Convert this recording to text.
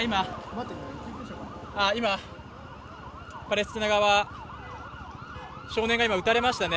今、パレスチナ側、少年が今撃たれましたね。